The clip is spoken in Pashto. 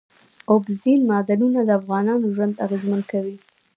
اوبزین معدنونه د افغانانو ژوند اغېزمن کوي.